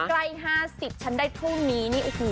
ไกล๕๐ฉันได้พรุ่งนี้